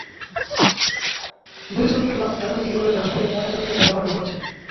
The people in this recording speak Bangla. দুই শ্রমিকের লাশ ঢাকা মেডিকেল কলেজ হাসপাতালে ময়নাতদন্তের জন্য পাঠানো হয়েছে।